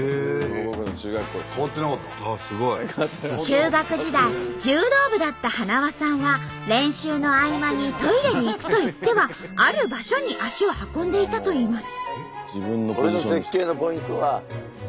中学時代柔道部だったはなわさんは練習の合間にトイレに行くと言ってはある場所に足を運んでいたといいます。